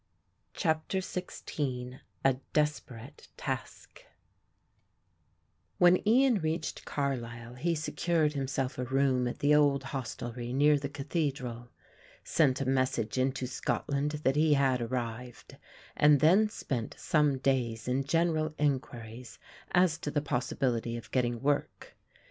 CHAPTER XVI A DESPERATE TASK When Ian reached Carlisle he secured himself a room at the old hostelry near the Cathedral, sent a message into Scotland that he had arrived, and then spent some days in general enquiries as to the possibility of getting work.